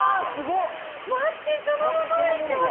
待って、そのまま入ってます！